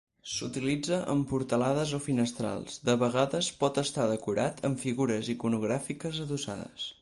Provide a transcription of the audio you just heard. S'utilitza en portalades o finestrals; de vegades pot estar decorat amb figures iconogràfiques adossades.